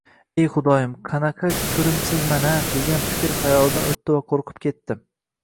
Ey xudoyim, qanaqa koʻrimsizman-a, degan fikr xayolidan oʻtdi va qoʻrqib ketdi